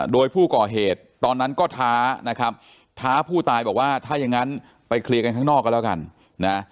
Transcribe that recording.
โดยผู้ก่อเหตุตอนนั้นก็ท้านะครับท้าผู้ตายบอกว่าถ้ายังงั้นไปเคลียร์กันข้างนอกก็แล้วกันนะ